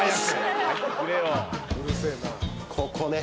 ここね。